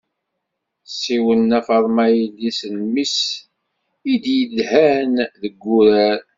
Tessiwel nna faḍma i yelli-s n mmi-s i yedhan deg wurar.